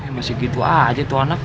masih gitu aja tuh anak